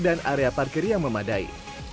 dan area parkir yang memadai